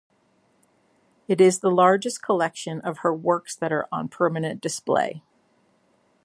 It is the largest collection of her works that are on permanent display.